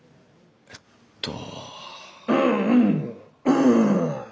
えっと。